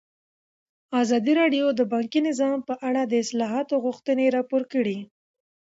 ازادي راډیو د بانکي نظام په اړه د اصلاحاتو غوښتنې راپور کړې.